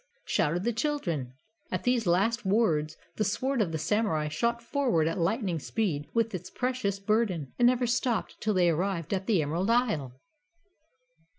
shouted the children. At these last words the sword of the Samurai shot forward at lightning speed with its precious burden, and never stopped till they arrived at the Emerald Isle.